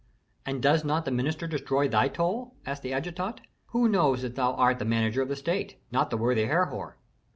"And does not the minister destroy thy toil?" asked the adjutant. "Who knows that thou art the manager of the state, not the worthy Herhor?"